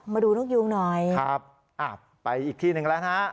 มาดูนกยูงหน่อยครับไปอีกที่หนึ่งแล้วนะฮะ